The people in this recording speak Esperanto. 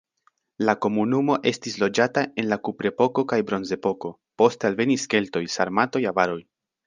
La komunumo estis loĝata en la kuprepoko kaj bronzepoko, poste alvenis keltoj, sarmatoj, avaroj.